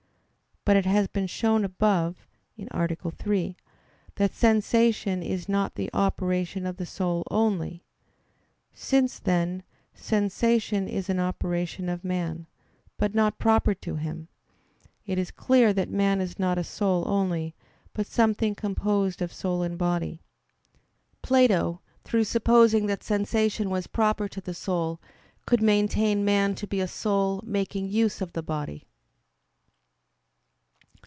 But it has been shown above (A. 3) that sensation is not the operation of the soul only. Since, then, sensation is an operation of man, but not proper to him, it is clear that man is not a soul only, but something composed of soul and body. Plato, through supposing that sensation was proper to the soul, could maintain man to be a soul making use of the body.